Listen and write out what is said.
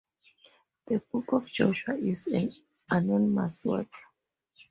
The Book of Joshua is an anonymous work.